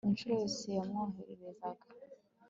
Incuro yose yamwoherezaga